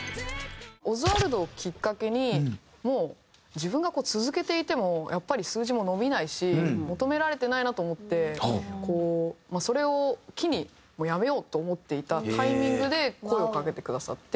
『ヲズワルド』をきっかけにもう自分が続けていてもやっぱり数字も伸びないし求められてないなと思ってそれを機にやめようと思っていたタイミングで声をかけてくださって。